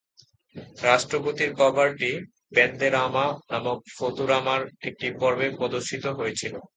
রাষ্ট্রপতির কভারটি "বেন্দেরামা" নামক "ফুতুরামার" একটি পর্বে প্রদর্শিত হয়েছিল।